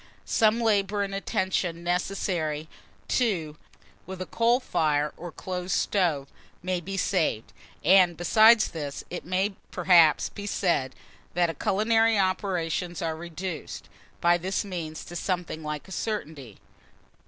Some labour and attention necessary, too, with a coal fire or close stove, may be saved; and, besides this, it may, perhaps, be said that culinary operations are reduced, by this means, to something like a certainty.